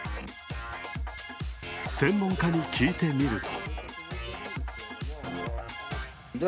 専門家に聞いてみると。